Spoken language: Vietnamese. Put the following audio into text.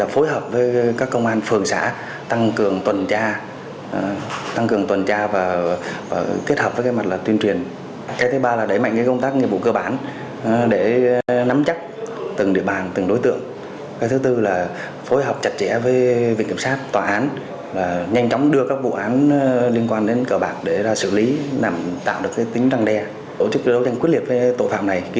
phối hợp với các lực lượng chức năng huyện tràng định vừa phát hiện và điều tra vụ hủy hoại